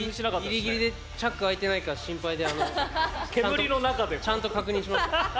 ギリギリでチャック開いてないか心配でちゃんと確認しました。